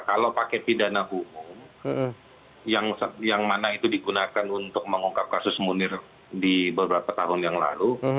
kalau pakai pidana umum yang mana itu digunakan untuk mengungkap kasus munir di beberapa tahun yang lalu